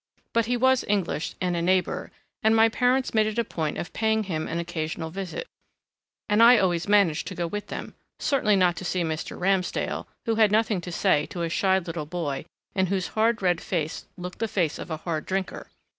But he was English and a neighbour, and my parents made it a point of paying him an occasional visit, and I always managed to go with them certainly not to see Mr. Ramsdale, who had nothing to say to a shy little boy and whose hard red face looked the face of a hard drinker.